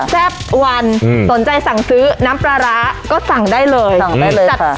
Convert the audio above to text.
แซ่บวันสนใจสั่งซื้อน้ำปลาร้าก็สั่งได้เลยสั่งได้เลย